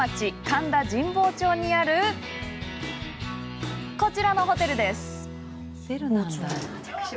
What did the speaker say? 神田神保町にあるこちらのホテルです。